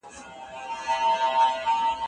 هغه یو ډېر مشهور او لایق عالم دی.